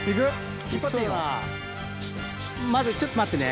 まだちょっと待ってね